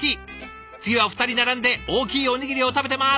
次はお二人並んで「大きいおにぎりを食べてます！」